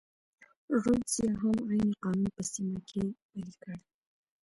رودزیا هم عین قانون په سیمه کې پلی کړ.